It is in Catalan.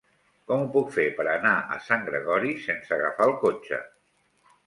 Com ho puc fer per anar a Sant Gregori sense agafar el cotxe?